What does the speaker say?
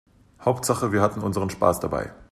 Hauptsache wir hatten unseren Spaß dabei.